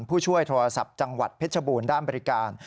ผู้ช่วยโทรศัพท์จังหวัดเพชรบูรณ์ด้านบริการ